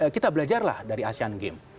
kita belajarlah dari asian game